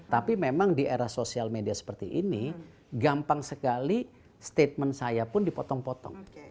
tapi memang di era sosial media seperti ini gampang sekali statement saya pun dipotong potong